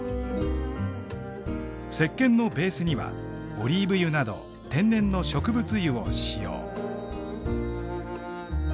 せっけんのベースにはオリーブ油など天然の植物油を使用。